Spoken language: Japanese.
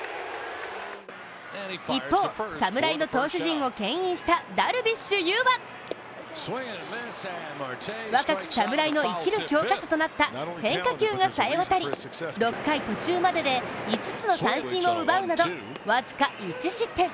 一方、侍の投手陣をけん引したダルビッシュ有は若き侍の生きる教科書となった変化球がさえわたり６回途中までで５つの三振を奪うなど僅か１失点。